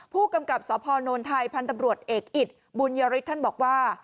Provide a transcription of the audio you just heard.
ผู้กำกับสพนไทยพันธุ์ตำรวจเอกอิตบุญยฤทธิ์ท่านบอกว่า